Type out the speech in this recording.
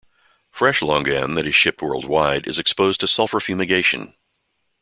Fresh longan that is shipped worldwide is exposed to sulfur fumigation.